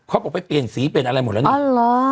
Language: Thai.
เขาบอกไปเปลี่ยนสีเปลี่ยนอะไรหมดแล้วเนี่ย